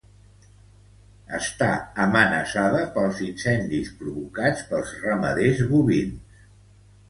Està amenaçada pels incendis provocats pels ramaders bovins.